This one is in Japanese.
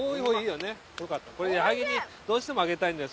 ・よかったこれ矢作にどうしてもあげたいんだよ。